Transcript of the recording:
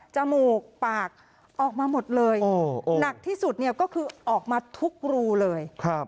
มูกปากออกมาหมดเลยหนักที่สุดเนี่ยก็คือออกมาทุกรูเลย